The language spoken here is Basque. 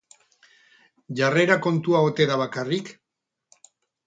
Jarrera kontua ote da bakarrik?